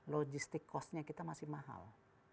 logistik cost nya kita masih mahal